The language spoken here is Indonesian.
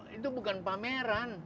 dan itu bukan pameran